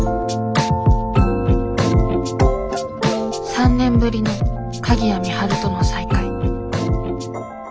３年ぶりの鍵谷美晴との再会。